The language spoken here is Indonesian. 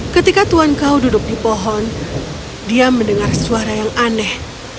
ketika tuhan kau duduk di pohon dia mendengar suara yang aneh